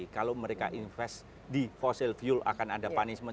kalau mereka invest di fossil fuel akan ada punishment